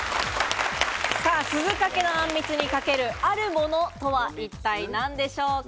鈴懸のあんみつにかける、あるものとは一体何でしょうか？